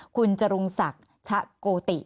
คุณจรุงศักดิ์ชะโกติ